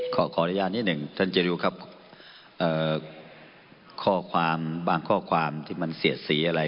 ขออนุญาตนิดหนึ่งท่านเจริวครับข้อความบางข้อความที่มันเสียดสีอะไร